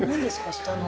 下の。